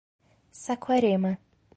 Saquarema